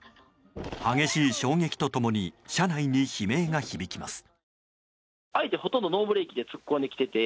激しい衝撃と共に車内に悲鳴が響きます。